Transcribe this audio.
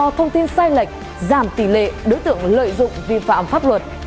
do thông tin sai lệch giảm tỷ lệ đối tượng lợi dụng vi phạm pháp luật